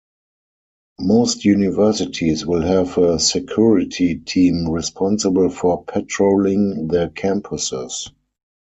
Most universities will have a security team responsible for patrolling the campuses.